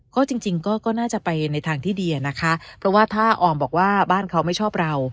ก็จริงก็น่าจะไปในทางที่ดีอะนะคะเพราะว่าถ้าออมบอกว่าบ้านเขาไม่ชอบเรา